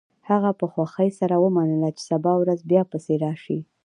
هغه په خوښۍ سره ومنله چې سبا ورځ بیا پسې راشي